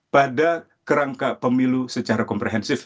pada kerangka pemilu secara komprehensif